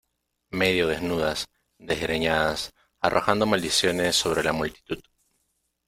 medio desnudas, desgreñadas , arrojando maldiciones sobre la multitud ,